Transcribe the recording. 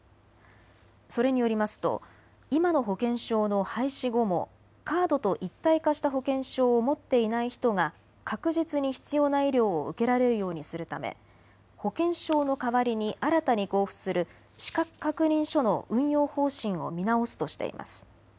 それによりますと今の保険証の廃止後もカードと一体化した保険証を持っていない人が確実に必要な医療を受けられるようにするため、保険証の代わりに新たに交付する資格確認書の運用方針を見直すとしています。